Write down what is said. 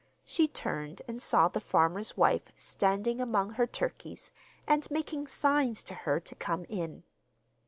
She turned and saw the farmer's wife standing among her turkeys, and making signs to her to come in.